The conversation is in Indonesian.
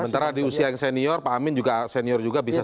sementara di usia yang senior pak amin juga senior juga bisa